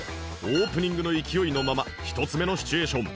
オープニングの勢いのまま１つ目のシチュエーション